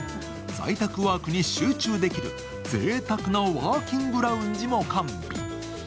在宅ワークに集中できるぜいたくなワーキングラウンジも完備。